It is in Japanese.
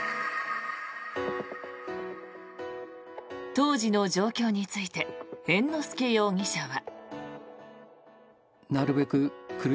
当時の状況について猿之助容疑者は。